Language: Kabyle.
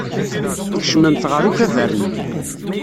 Tkecmemt ɣer ukabar-nni.